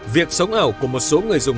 việc sống ảo của một số người dùng